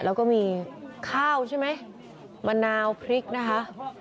แล้วก็มีข้าวใช่ไหมมะนาวพริกนะคะ